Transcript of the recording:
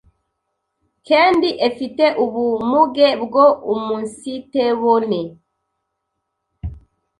kendi efite ubumuge bwo umunsitebone